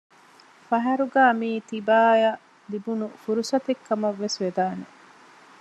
ފަހަރުގައި މިއީ ތިބާއަށް ލިބުނު ފުރުޞަތުކަމަށްވެސް ވެދާނެ